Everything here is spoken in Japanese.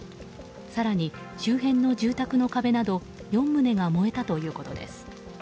更に周辺の住宅の壁など４棟が燃えたということです。